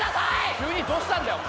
急にどうしたんだよお前。